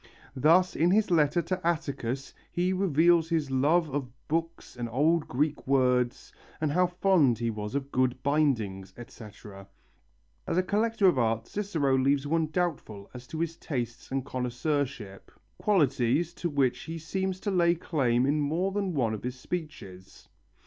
Thus in his letter to Atticus he reveals his love of books and old Greek works, and how fond he was of good bindings, etc. As a collector of art Cicero leaves one doubtful as to his taste and connoisseurship, qualities to which he seems to lay claim in more than one of his speeches.